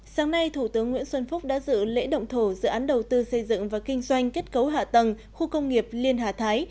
sáng nay thủ tướng nguyễn xuân phúc đã dự lễ động thổ dự án đầu tư xây dựng và kinh doanh kết cấu hạ tầng khu công nghiệp liên hà thái